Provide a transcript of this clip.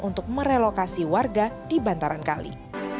untuk merelokasi warga di bantaran kali